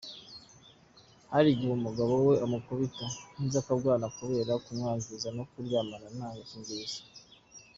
Hari igihe umugabo we amukubita nk’iz’akabwana kubera kumwangira ko baryamana nta gakingirizo.